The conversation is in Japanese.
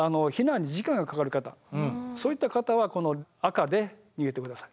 そういった方はこの赤で逃げて下さい。